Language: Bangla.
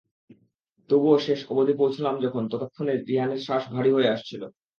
তবুও শেষ অবধি পৌঁছালাম যখন, ততক্ষণে রিহানের শ্বাস ভারী হয়ে আসছিল।